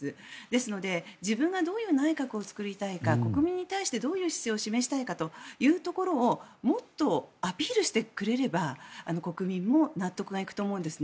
ですので自分がどういう内閣を作りたいか国民に対してどういう姿勢を示したいかというところをもっとアピールしてくれれば国民も納得がいくと思うんです。